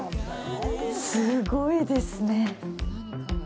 すごいですね。